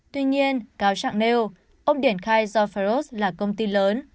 tuy nhiên cáo trạng nêu ông điền khai do pharos là công ty lớn